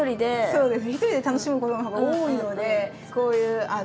そうですね。